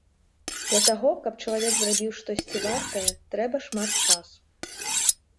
Для таго, каб чалавек зрабіў штосьці вартае, трэба шмат часу.